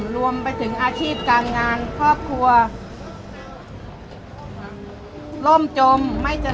รวมไปถึงอาชีพการงานครอบครัวร่มจมไม่เจอ